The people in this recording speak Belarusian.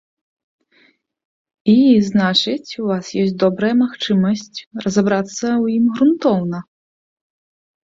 І, значыць, у вас ёсць добрая магчымасць разабрацца ў ім грунтоўна.